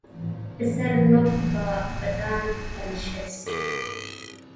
پسر نوح با بدان بنشست.